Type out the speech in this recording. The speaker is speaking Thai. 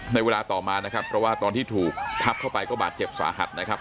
เวลาต่อมานะครับเพราะว่าตอนที่ถูกทับเข้าไปก็บาดเจ็บสาหัสนะครับ